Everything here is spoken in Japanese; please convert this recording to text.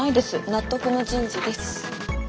納得の人事です。